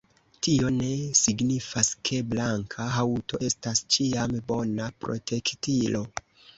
Tio ne signifas, ke blanka haŭto estas ĉiam bona protektilo.